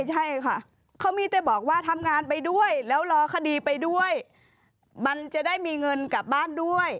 ใช่ค่ะเขามีแต่บอกว่าทำงานไปด้วยแล้วรอคดีไปด้วยมันจะได้มีเงินกลับบ้านด้วย